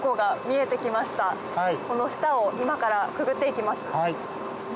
この下を今からくぐっていきます。